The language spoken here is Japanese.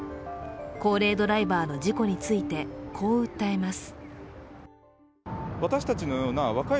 高齢ドライバーの事故についてこう訴えます。